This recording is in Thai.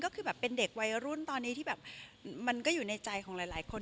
ก็คือแบบเป็นเด็กวัยรุ่นตอนนี้ที่แบบมันก็อยู่ในใจของหลายคน